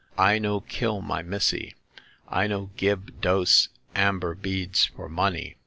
" I no kill my missy ! I no gib dose amber beads for money.